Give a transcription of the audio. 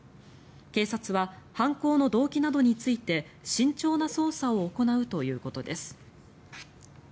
警察は犯行の動機などについて慎重な捜査を行うということです。